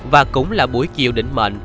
và cũng là buổi chiều đỉnh mệnh